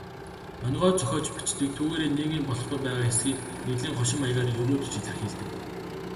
Онигоо зохиож бичдэг, түүгээрээ нийгмийн болохгүй байгаа хэсгийг нэлээн хошин маягаар егөөдөж илэрхийлдэг.